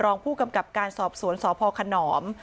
รองผู้กำกับการสอบสวนสพขนอม